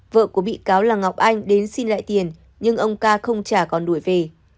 vợ của bị cáo là ngọc anh đến xin lại tiền nhưng ông ca không trả còn đuổi về